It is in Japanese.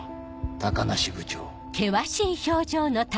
高梨部長。